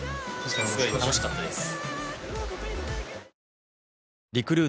すごい楽しかったです。